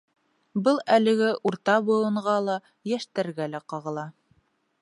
Был әлеге урта быуынға ла, йәштәргә лә ҡағыла.